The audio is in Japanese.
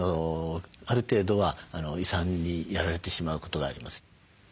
ある程度は胃酸にやられてしまうことがあります。